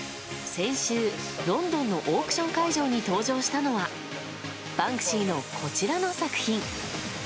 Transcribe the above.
先週、ロンドンのオークション会場に登場したのはバンクシーのこちらの作品。